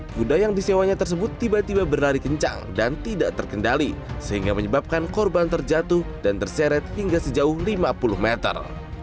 kuda yang disewanya tersebut tiba tiba berlari kencang dan tidak terkendali sehingga menyebabkan korban terjatuh dan terseret hingga sejauh lima puluh meter